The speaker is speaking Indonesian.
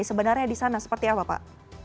sebenarnya di sana seperti apa pak